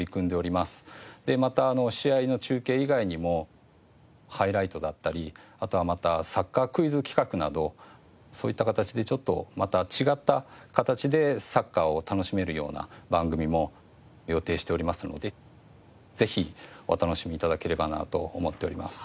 でまた試合の中継以外にもハイライトだったりあとはまたサッカークイズ企画などそういった形でちょっとまた違った形でサッカーを楽しめるような番組も予定しておりますのでぜひお楽しみ頂ければなと思っております。